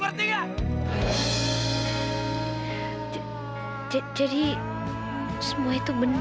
kak topan nama aku